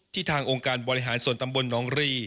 ทางองค์การบริหารส่วนตำบลหนองรี